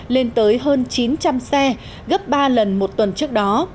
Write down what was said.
lên tới hơn chín trăm linh xe gấp ba lần một tuần trước đó